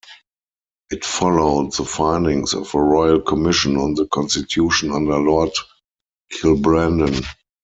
It followed the findings of a Royal Commission on the Constitution under Lord Kilbrandon.